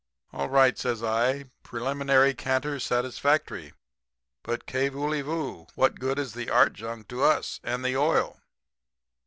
"'All right,' says I. 'Preliminary canter satisfactory. But, kay vooly, voo? What good is the art junk to us? And the oil?'